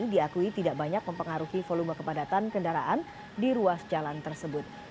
diakui tidak banyak mempengaruhi volume kepadatan kendaraan di ruas jalan tersebut